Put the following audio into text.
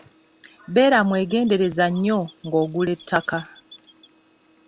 Beera mwegendereza nnyo ng'ogula ettaka.